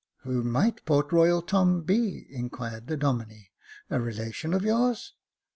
" Who might Port Royal Tom be ?" inquired the Domine •,*' a relation of yours ?